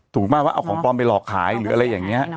ถูกมากว่าเอาของปลอมไปหลอกขายหรืออะไรอย่างนี้